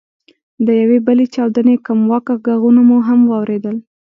د یوې بلې چاودنې کمواکه ږغونه مو هم واورېدل.